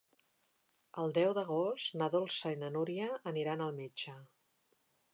El deu d'agost na Dolça i na Núria aniran al metge.